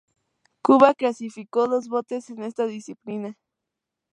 Cuba clasificó dos botes en esta disciplina.